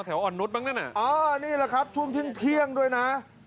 แถวอ่อนนุษย์บ้างนี่แหละนะอ๋อนี่แหละครับช่วงที่เที่ยงด้วยนะ